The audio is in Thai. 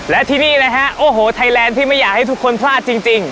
และที่นี่นะฮะโอ้โหไทยแลนด์ที่ไม่อยากให้ทุกคนพลาดจริง